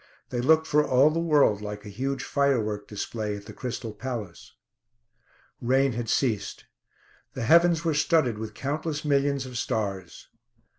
They looked for all the world like a huge firework display at the Crystal Palace. Rain had ceased. The heavens were studded with countless millions of stars.